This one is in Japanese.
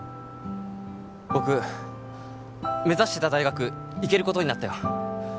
僕目指してた大学行けることになったよ